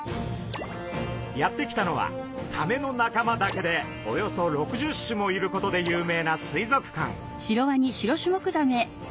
やって来たのはサメの仲間だけでおよそ６０種もいることで有名な水族館。